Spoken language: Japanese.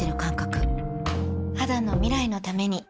肌の未来のために